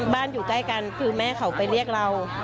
อยู่ใกล้กันคือแม่เขาไปเรียกเรา